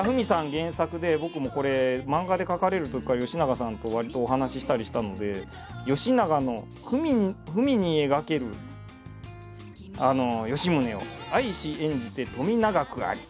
原作で僕もこれ漫画で描かれるときからよしながさんとわりとお話ししたりしたので「よしながのふみに描ける吉宗を愛し演じて富永くあり」と。